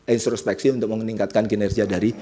instrospeksi untuk meningkatkan kinerja dari